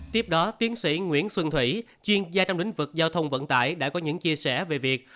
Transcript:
tiếp đó tiến sĩ nguyễn xuân thủy chuyên gia trong lĩnh vực giao thông vận tải đã có những chia sẻ về việc